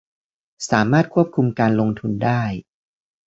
สามารถควบคุมการลงทุนได้